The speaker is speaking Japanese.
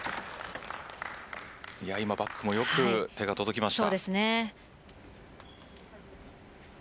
今バックもよく手が届きました。